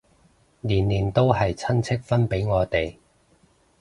年年都係親戚分俾我哋